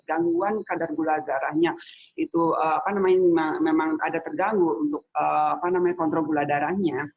gangguan kadar gula darahnya itu memang ada terganggu untuk kontrol gula darahnya